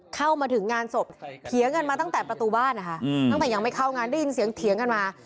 เข้ามาถึงงานศพเถียงกันมาตั้งแต่ประตูบ้านนะคะตั้งแต่ยังไม่เข้างานได้ยินเสียงเถียงกันมา